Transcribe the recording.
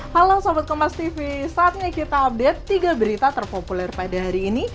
halo sobat kompastv saatnya kita update tiga berita terpopuler pada hari ini